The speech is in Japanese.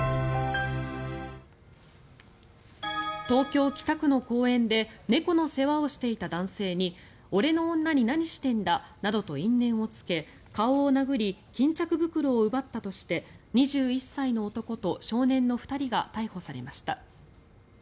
東京・北区の公園で猫の世話をしていた男性に俺の女に何してんだなどと因縁をつけ顔を殴り、巾着袋を奪ったとして２１歳の男と少年の２人が逮捕されました。